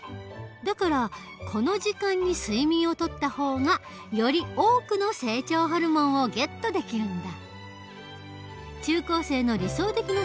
だからこの時間に睡眠をとった方がより多くの成長ホルモンをゲットできるんだ。